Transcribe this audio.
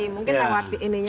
mungkin lewat ini aja